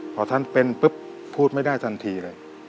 พอท่านเป็นปุ๊บพูดไม่ได้ทันทีเลย